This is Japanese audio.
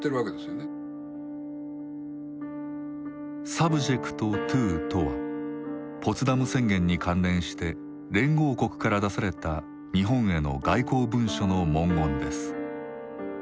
「ｓｕｂｊｅｃｔｔｏ」とはポツダム宣言に関連して連合国から出された日本への外交文書の文言です。